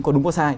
có đúng có sai